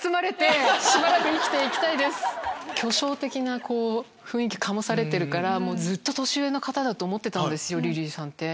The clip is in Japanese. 巨匠的な雰囲気醸されてるからずっと年上の方だと思ってたリリーさんって。